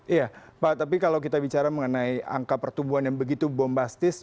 iya pak tapi kalau kita bicara mengenai angka pertumbuhan yang begitu bombastis